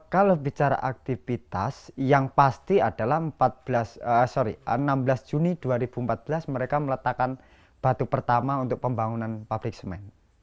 kalau bicara aktivitas yang pasti adalah enam belas juni dua ribu empat belas mereka meletakkan batu pertama untuk pembangunan pabrik semen